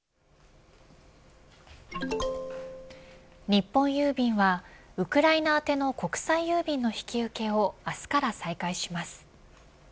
日本郵便はウクライナ宛ての国際郵便の引き受けを明日から再開します。